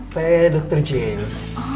saya dokter james